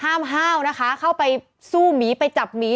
ห้าวนะคะเข้าไปสู้หมีไปจับหมี